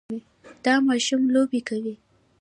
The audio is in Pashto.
دا ماشوم لوبې کوي.